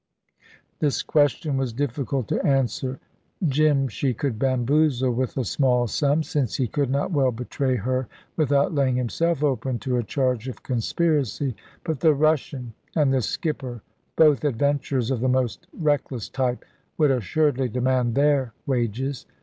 This question was difficult to answer. Jim she could bamboozle with a small sum, since he could not well betray her without laying himself open to a charge of conspiracy. But the Russian and the skipper, both adventurers of the most reckless type, would assuredly demand their wages.